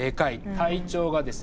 体長がですね